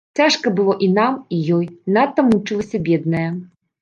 Цяжка было і нам, і ёй, надта мучылася бедная.